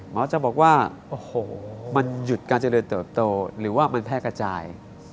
หมอจะบอกว่าโอ้โหมันหยุดการเจริญเติบโตหรือว่ามันแพร่กระจาย